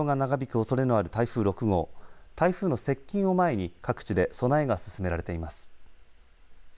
おそれのある台風６号、台風の接近を前に各地で備えが進められています。